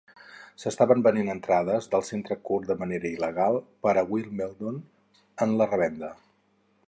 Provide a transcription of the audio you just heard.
S'estaven venent entrades del Centre Court de manera il·legal per a Wimbledon en la revenda